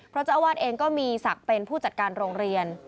เพราะเจ้าอาวาสเองก็มีศักดิ์เป็นผู้จัดการโรงเรียน